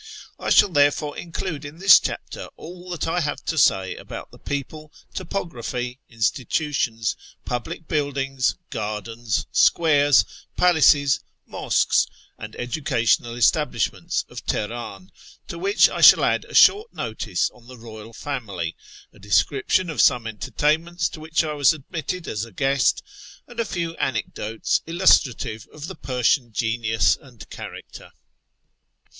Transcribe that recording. I shall therefore include in this chapter all that I have to say about the people, topography, institutions, public buildings, gardens, squares, palaces, mosques, and educational establish ments of Teheran, to which I shall add a short notice on the royal family, a description of some entertainments to which I was admitted as a guest, and a few anecdotes illustrative of the Persian genius and character.